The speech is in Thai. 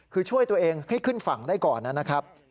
คือช่วยตัวเองให้ขึ้นฝั่งได้ก่อนนะครับ